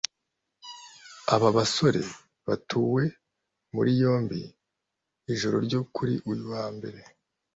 Aba basore batawe muri yombi mu ijoro ryo kuri uyu wa mbere